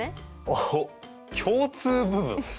おっ共通部分？